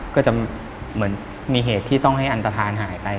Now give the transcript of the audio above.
ก็จะเหมือนมีเหตุที่ต้องให้อันตฐานหายไป